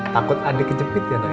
takut adek kejepit ya nay